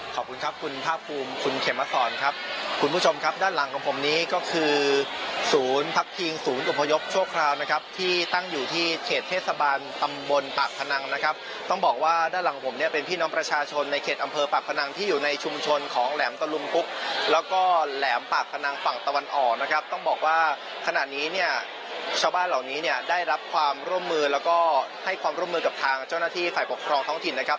ขอบคุณครับคุณภาพภูมิคุณเขมสอนครับคุณผู้ชมครับด้านหลังของผมนี้ก็คือศูนย์พักทิงศูนย์อุปยกช่วงคราวนะครับที่ตั้งอยู่ที่เขตเทศบาลตำบลปากพนังนะครับต้องบอกว่าด้านหลังผมเนี่ยเป็นพี่น้องประชาชนในเขตอำเภอปากพนังที่อยู่ในชุมชนของแหลมตะลุมกุ๊กแล้วก็แหลมปากพนังฝั่งตะวันอ